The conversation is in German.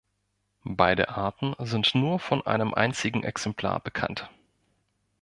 Beide Arten sind nur von einem einzigen Exemplar bekannt.